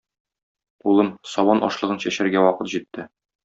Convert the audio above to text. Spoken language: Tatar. Улым, сабан ашлыгын чәчәргә вакыт җитте.